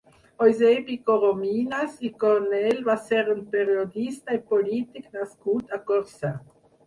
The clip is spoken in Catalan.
Eusebi Corominas i Cornell va ser un periodista i polític nascut a Corçà.